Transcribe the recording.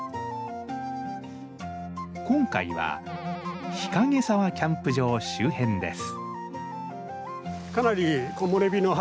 今回は日影沢キャンプ場周辺です。